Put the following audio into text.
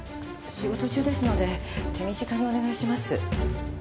仕事中ですので手短にお願いします。